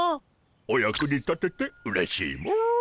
お役に立ててうれしいモ。